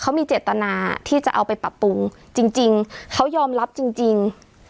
เขามีเจตนาที่จะเอาไปปรับปรุงจริงเขายอมรับจริง